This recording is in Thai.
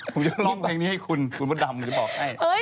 ผมจะร้องเพลงนี้ให้คุณคุณมดดำจะบอกให้